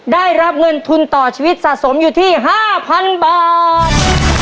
ได้รับเงินทุนต่อชีวิตสะสมอยู่ที่๕๐๐๐บาท